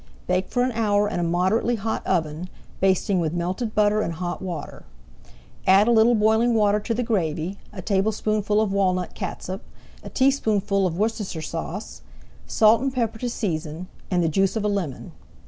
Bake for an hour in a moderately hot oven, basting with melted butter and hot water. Add a little boiling water to the gravy, a tablespoonful of walnut catsup, a teaspoonful of Worcestershire Sauce, salt and pepper to season, and the juice of a lemon.